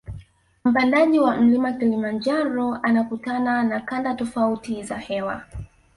Mpandaji wa mlima kilimanjaro anakutana na kanda tofauti za hewa